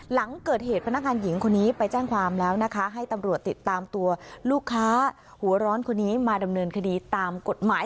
หลังเกิดเหตุพนักงานหญิงคนนี้ไปแจ้งความแล้วนะคะให้ตำรวจติดตามตัวลูกค้าหัวร้อนคนนี้มาดำเนินคดีตามกฎหมาย